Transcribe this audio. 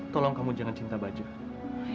tolong kamu jangan cinta budget